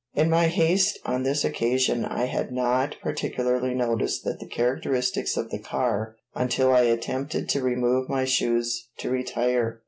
In my haste on this occasion I had not particularly noticed the characteristics of the car until I attempted to remove my shoes to retire.